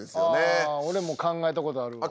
あ俺も考えたことあるわ。